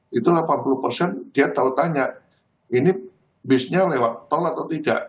gitu delapan puluh persen dia tahu tanya ini bisnya lewat tol atau tidak